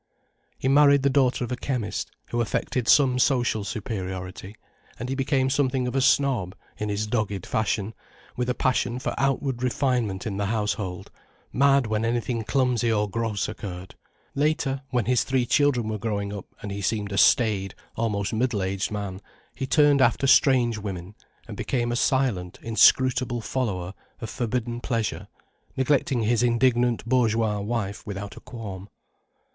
He married the daughter of a chemist, who affected some social superiority, and he became something of a snob, in his dogged fashion, with a passion for outward refinement in the household, mad when anything clumsy or gross occurred. Later, when his three children were growing up, and he seemed a staid, almost middle aged man, he turned after strange women, and became a silent, inscrutable follower of forbidden pleasure, neglecting his indignant bourgeois wife without a qualm.